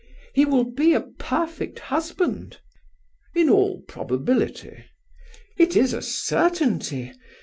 "He will be a perfect husband." "In all probability." "It is a certainty.